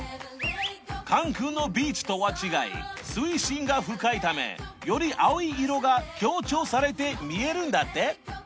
カンクンのビーチとは違い水深が深いためより青い色が強調されて見えるんだって